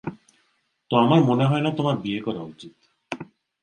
তো, আমার মনে হয় না তোমার বিয়ে করা উচিত।